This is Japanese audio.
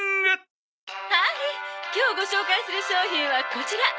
「はい今日ご紹介する商品はこちら」